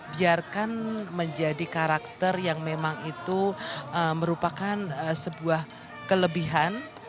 biarkan menjadi karakter yang memang itu merupakan sebuah kelebihan